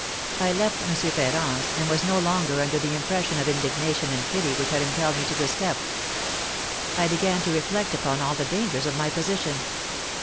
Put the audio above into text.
I left M. Ferrand's, and was no longer under the impression of indignation and pity which had impelled me to the step. I began to reflect upon all the dangers of my position.